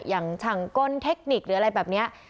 อย่างช่างกลเทคนิคหรืออะไรแบบนี้